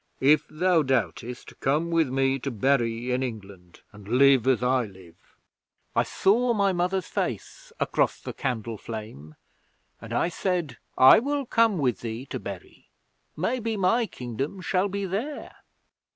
If thou doubtest, come with me to Bury in England and live as I live." 'I saw my mother's face across the candle flame, and I said, "I will come with thee to Bury. Maybe my Kingdom shall be there."